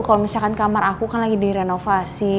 kalau misalkan kamar aku kan lagi direnovasi